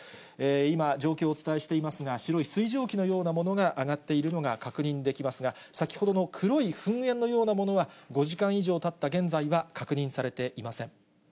今、状況をお伝えしていますが、白い水蒸気のようなものが上がっているのが確認できますが、先ほどの黒い噴煙のようなものは、５時間以上たった現在は、確認されていません。